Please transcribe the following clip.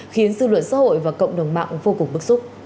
khiến dư luận xã hội và cộng đồng mạng vô cùng bức xúc